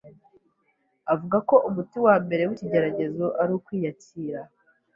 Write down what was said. Avuga ko umuti wa mbere w’ikigeragezo ari Ukwiyakira